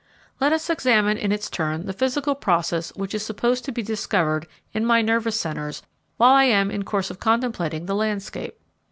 Let us examine in its turn the physical process which is supposed to be discovered in my nervous centres while I am in course of contemplating the landscape.